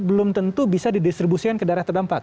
belum tentu bisa di distribusikan ke daerah terdampak